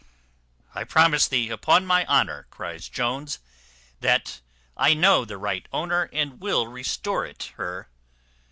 "I promise thee, upon my honour," cries Jones, "that I know the right owner, and will restore it her."